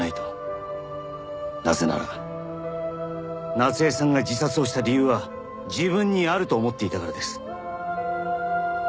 なぜなら夏恵さんが自殺をした理由は自分にあると思っていたからです。